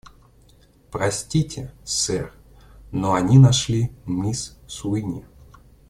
Простите, сэр, но они нашли мисс Суини.